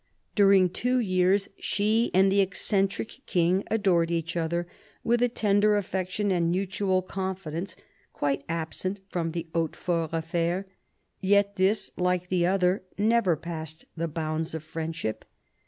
During two years she and the eccentric King adored each other with a tender affection and mutual confidence quite absent from the Hautefort affair; yet this, like the other, never passed the bounds of friendship.